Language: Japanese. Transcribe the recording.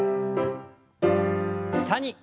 下に。